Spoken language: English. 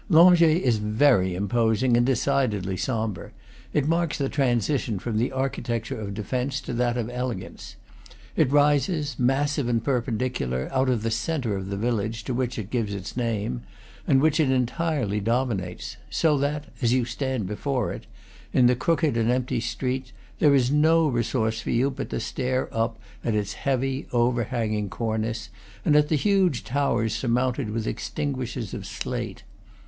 Langeais is very imposing and decidedly sombre; it marks the transition from the architecture of defence to that of elegance. It rises, massive and perpendicular, out of the centre of the village to which it gives its name, and which it entirely domi nates; so that, as you stand before it, in the crooked and empty street, there is no resource for you but to stare up at its heavy overhanging cornice and at the huge towers surmounted with extinguishers of slate.